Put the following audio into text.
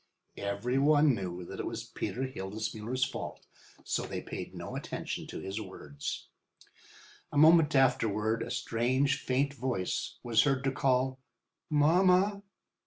Every one knew that it was Peter Hildesmuller's fault, so they paid no attention to his words. A moment afterward a strange, faint voice was heard to call: "Mamma!"